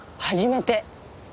初めて。